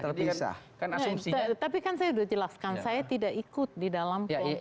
tapi kan saya sudah jelaskan saya tidak ikut di dalam pon